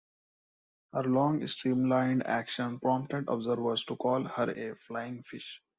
Her long streamlined action prompted observers to call her a "flying fish".